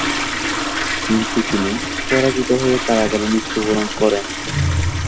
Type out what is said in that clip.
কিন্তু তিনি পরাজিত হয়ে কারাগারে মৃত্যুবরণ করেন।